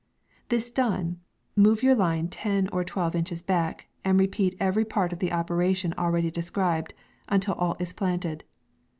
This done, move your line ten or twelve inches back, and re peat every part of the operation already de scribed, until all is planted.